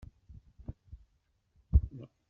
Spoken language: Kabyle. Atta tewweḍ-ak-d tebrat.